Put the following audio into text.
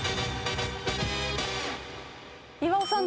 岩尾さん